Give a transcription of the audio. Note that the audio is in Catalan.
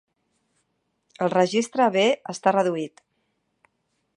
El registre B està reduït.